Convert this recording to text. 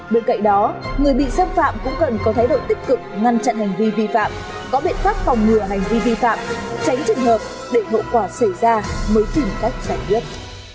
bên cạnh đó người bị xâm phạm cũng cần có thái độ tích cực ngăn chặn hành vi vi phạm có biện pháp phòng ngừa hành vi vi phạm tránh trường hợp để hậu quả xảy ra mới tìm cách giải quyết